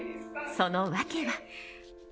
その訳は。